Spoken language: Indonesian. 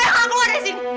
ayo kakak keluar dari sini